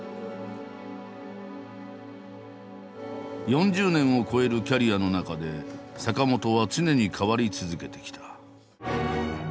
４０年を超えるキャリアの中で坂本は常に変わり続けてきた。